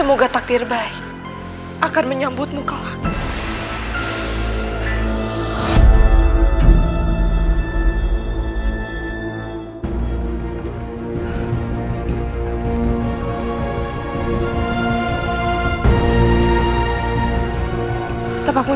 gue tidak bisa melakukan mel milksh carrying take